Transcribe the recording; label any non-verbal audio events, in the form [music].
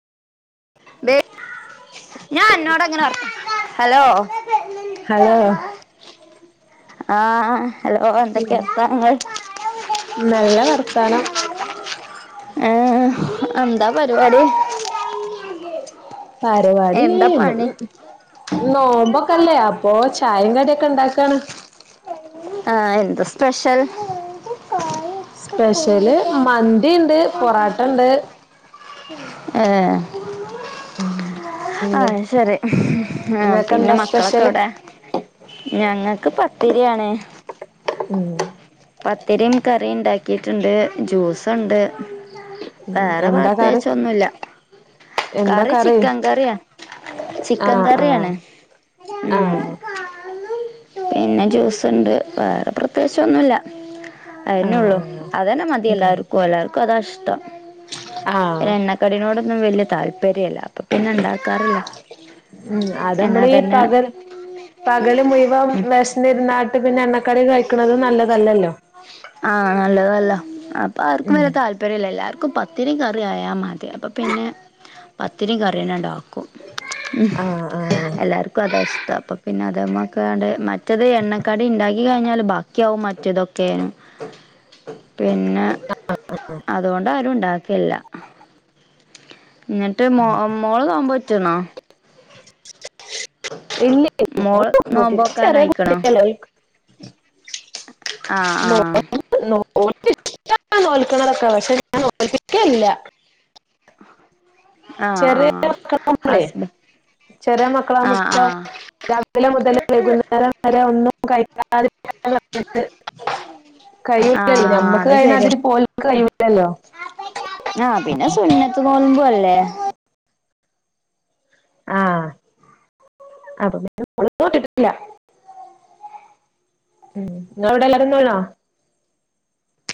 ദേ ഞാൻ അന്നോടങ്ങനെ വർ ഹലോ ഹലോ ആഹ് ഹലോ എന്തൊക്കെ വർത്താനങ്ങൾ നല്ല വർത്താനം. ഏഹ് എ അ എന്താ പരിപാടി പാര്‌വാടി എന്താ ഇന്ന് പണി നോമ്പൊക്കല്ലേ അപ്പോ ചായിം കടിയൊക്കെണ്ടാക്കാണ്. ആഹ് എന്താ സ്പെഷ്യൽ സ്പെഷ്യല് മന്തിണ്ട് പൊറാട്ടണ്ട് ഏഹ് ഇങ്ങ ആഹ് ശെരി ആഹ് ഇങ്ങക്ക് പിന്നെ എന്താ മക്കളൊക്കെ സ്പെഷ്യല് എവ്ടെ? ഞങ്ങക്ക് പത്തിരി ആണ്. [inaudible] പത്തിരിം കറിം ഇണ്ടാക്കിട്ട്ണ്ട് ജൂസൊണ്ട് ഉം വേറെ എന്താ കറി പ്രത്യേകിച്ചൊന്നുല്ല. കറി ചിക്കൻ കറിയാ ചിക്കൻ ആഹ് ആഹ് കറിയാണ് ഉം ആഹ് പിന്നെ ജൂസൊണ്ട് വേറെ പ്രത്യേകിച്ചൊന്നുല്ല. അതന്നെ ഒള്ളു ആഹ് അതന്നെ മതി ആഹ് ഉം എല്ലാർക്കും എല്ലാർക്കും അതാ ഇഷ്ട്ടം ആഹ് എണ്ണ കടിനോടൊന്നും വല്ല്യ താൽപര്യംല്ല അപ്പ പിന്നെ ണ്ടാക്കാറില്ല. ഉം അതമ്മളീ പഗൽ പകല് മുയുവം ഉം വെശന്നിരുന്നാട്ട് പിന്നെ എണ്ണക്കടി കഴിക്കണതും നല്ലതല്ലല്ലോ? ആഹ് നല്ലതല്ല അപ്പ ആർക്കും ഉം വല്ല്യ താൽ പര്യല്ല എല്ലാർക്കും പത്തിരിയും കറിംയായാമതി അപ്പം പിന്നെ പത്തിരി കറിയന്നെണ്ടാക്കും. ഉം ആഹ് ആഹ് എല്ലാർക്കും അതാ ഇഷ്ട്ടം അപ്പ പിന്നെ അതമ്മക്കാണ്ട് മറ്റത് എണ്ണക്കടിണ്ടാക്കി കഴിഞ്ഞാല് ബാക്കിയാകും മ റ്റതൊക്കെ പിന്നെ അതുകൊണ്ടാരും ണ്ടാ ക്കില്ല എന്നിട്ട് മോ മോള് നോമ്പ് നോറ്റ്ണോ ഇല്ല മോള് ഓള് നോറ്റില്ല നോമ്പോക്കാനായിക്കണോ ചെറിയകുട്ടിയല്ലേ ഓൽക്ക് ആഹ് ആഹ് ഓൽക്ക് ഇഷ്ട നോല്ക്ക്‌ണതൊക്കെ പക്ഷെ ഞാൻ നോറ്റിട്ടെ ഇല്ല ആഹ് ചെറിയ ആഹ് മക്കളാവ്മ്പളെ ഹസ്ബ ചെറിയ മക്കളാമ്പ ആഹ് ഇപ്പ ആഹ് രാവിലെ മുതല് വൈകുന്നേരം വരെ ഒന്നും കഴിക്കാതെ ഇരിക്ക എന്നു പറഞ്ഞിട്ട് കഴൂല്ലല്ലോ ആഹ് ഞമ്മക്ക് അത് ശരിയാ കഴിണമാതിരി ഓൽക്ക്‌ കഴിയുല്ലല്ലോ? ആഹ് പിന്നെ സുന്നത്ത് നോല്മ്പുവല്ലേ? ആഹ് അപ്പ പിന്നെ [unintelligible] വിട്ടിട്ടില്ല ഉം ഇങ്ങടെ അവ്ടെ എല്ലാരും [inaudible]